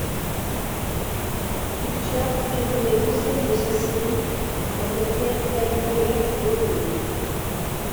Puică terminait deuxième de sa série en derrière Gabriella Dorio.